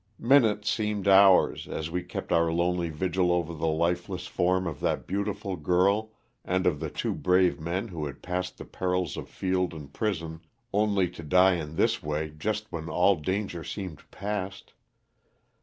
Minutes seemed hours, as we kept our lonely vigil over the lifeless form of that beautiful girl and of the two brave men who had passed the perils of field and prison only to die in this way just when all danger seemed past.